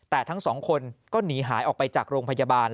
แต่ทั้งสองคนก็หนีหายออกไปจากโรงพยาบาล